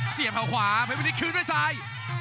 ตีด้วยข่าวขวาเพชรวินิตคืนด้วยซ้าย